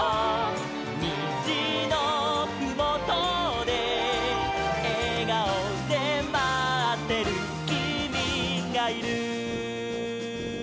「にじのふもとでえがおでまってるきみがいる」